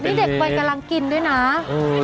มันกำลังกินที่นี่ดูนะ